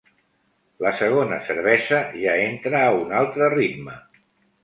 La segona cervesa ja entra a un altre ritme.